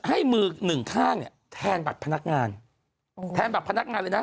ให้มือหนึ่งข้างเนี่ยแทนบัตรพนักงานแทนบัตรพนักงานเลยนะ